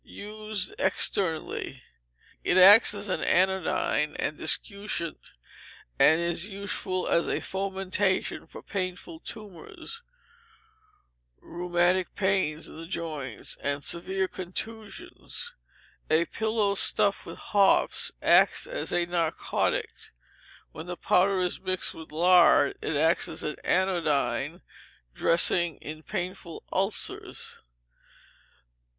Used externally, it acts as an anodyne and discutient, and is useful as a fomentation for painful tumours, rheumatic pains in the joints, and severe contusions. A pillow stuffed with hops acts as a narcotic. When the powder is mixed with lard, it acts as an anodyne dressing in painful ulcers.